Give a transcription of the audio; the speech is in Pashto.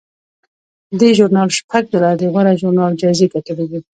دې ژورنال شپږ ځله د غوره ژورنال جایزه ګټلې ده.